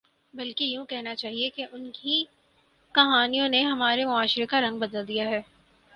بلکہ یوں کہنا چاہیے کہ ان ہی کہانیوں نے ہمارے معاشرے کا رنگ بدل دیا ہے